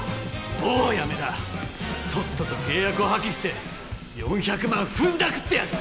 もうやめだとっとと契約を破棄して４００万ふんだくってやる！